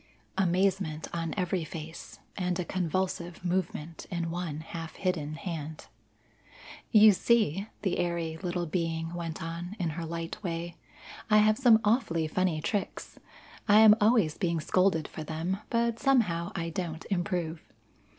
Amazement on every face and a convulsive movement in one half hidden hand. "You see," the airy little being went on, in her light way, "I have some awfully funny tricks. I am always being scolded for them, but somehow I don't improve.